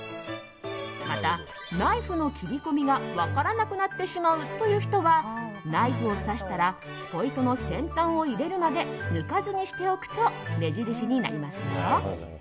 また、ナイフの切り込みが分からなくなってしまうという人はナイフを刺したらスポイトの先端を入れるまで抜かずにしておくと目印になりますよ。